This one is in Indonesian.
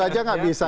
satu aja nggak bisa